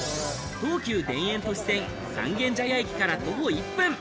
東急田園都市線三軒茶屋駅から徒歩１分。